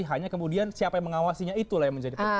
hanya kemudian siapa yang mengawasinya itulah yang menjadi penting